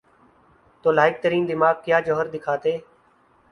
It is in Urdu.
تو لائق ترین دماغ کیا جوہر دکھاتے؟